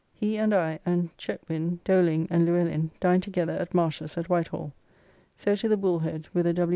He and I and Chetwind, Doling and Luellin dined together at Marsh's at Whitehall. So to the Bull Head whither W.